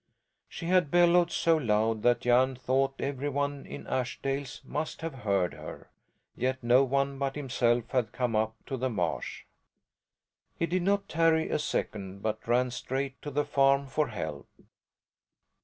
She had bellowed so loud that Jan thought every one in Ashdales must have heard her, yet no one but himself had come up to the marsh. He did not tarry a second, but ran straight to the farm for help.